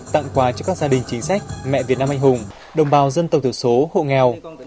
tặng quà cho các gia đình chính sách mẹ việt nam anh hùng đồng bào dân tộc thiểu số hộ nghèo